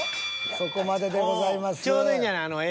そこまででございます。